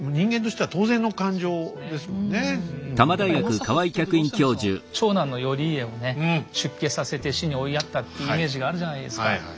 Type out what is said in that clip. やっぱり政子っていうとどうしても長男の頼家を出家させて死に追いやったっていうイメージがあるじゃないですか。